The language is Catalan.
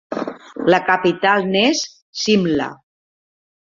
La capital n'és Simla.